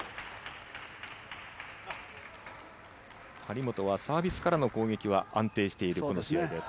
張本はサービスからの攻撃は安定しているこの試合です。